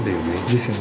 ですよね。